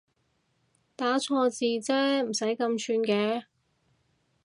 打錯字啫唔使咁串嘅